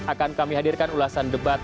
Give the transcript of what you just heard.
akan kami hadirkan ulasan debat